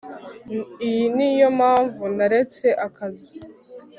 iyi niyo mpamvu naretse akazi